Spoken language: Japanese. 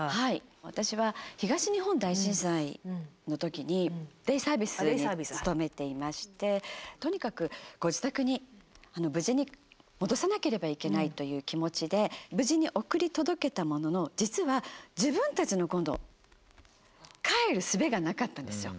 私は東日本大震災の時にデイサービスに勤めていましてとにかくご自宅に無事に戻さなければいけないという気持ちで無事に送り届けたものの実は自分たちの今度帰るすべがなかったんですよ。